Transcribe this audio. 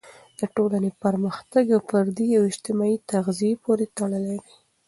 د ټولنې پرمختګ د فردي او اجتماعي تغذیې پورې تړلی دی.